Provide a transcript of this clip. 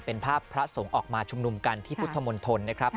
เป็นภาพพระสงฆ์ออกมาชุมนุมกันที่พุทธมณฑลนะครับ